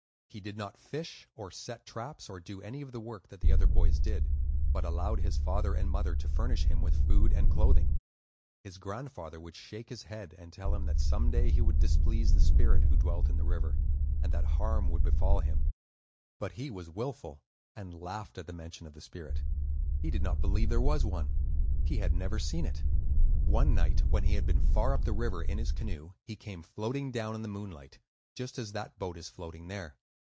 He did not fish or set traps or do any of the work that the other boys did, but allowed his father and mother to furnish him with food and clothing. His grandfather would shake his head and tell him that some day he would displease the spirit who dwelt in the river, and that harm would befall him. But he was wilful, and laughed at the mention of the spirit. He did not believe there was one; he had never seen it. One night when he had been far up the river in his canoe, he came floating down in the moonlight, just as that boat is floating there.